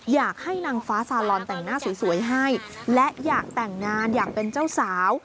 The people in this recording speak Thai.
อยากให้นางฟ้าซาลอนแต่งหน้าสวยให้และอยากแต่งงานอยากเป็นเจ้าสาว